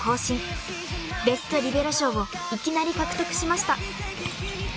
［ベストリベロ賞をいきなり獲得しました］